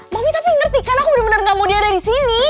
mami tapi ngerti kan aku bener bener gak mau dia dari sini